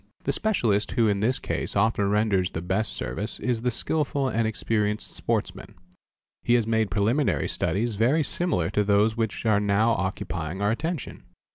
| The specialist who in this case often renders the best service is the skilful and experienced sportsman. He has made preliminary studies very similar to those which are now occupying our attention.